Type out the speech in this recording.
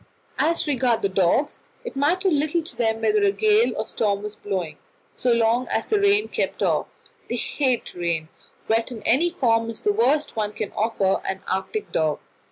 As regards the dogs, it mattered little to them whether a gale was blowing, so long as the rain kept off. They hate rain; wet in any form is the worst one can offer an Arctic dog.